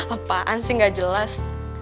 apaan sih nggak jelas